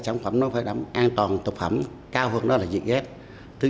để sản phẩm nó phải đắm an toàn thực phẩm cao hơn đó là dị ghét